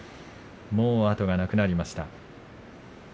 もう後がなくなりました。